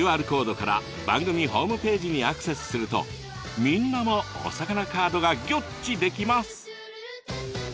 ＱＲコードから番組ホームページにアクセスするとみんなもお魚カードがギョっちできます。